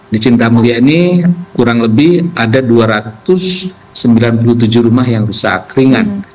di cinta mulia ini kurang lebih ada dua ratus sembilan puluh tujuh rumah yang rusak ringan